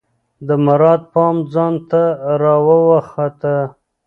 د مراد پام ځان ته راواووخته.